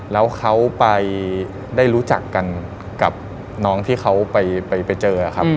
แล้วเขาไปได้รู้จักกันกับน้องที่เขาไปเจอครับ